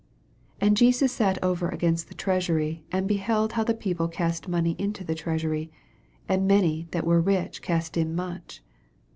41 And Jesus sat over against the treasury, and beheld how the people cast money into the treasury: and many that were rich cast in much.